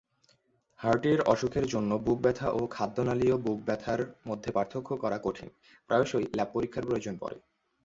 হার্টের অসুখের জন্য বুক ব্যথা ও খাদ্যনালীয় বুক ব্যথার মধ্যে পার্থক্য করা কঠিন, প্রায়শই ল্যাব পরীক্ষার প্রয়োজন পড়ে।